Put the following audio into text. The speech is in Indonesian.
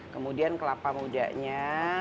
kemudian kelapa mudanya